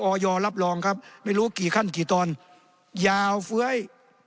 รับรองครับไม่รู้กี่ขั้นกี่ตอนยาวเฟ้ย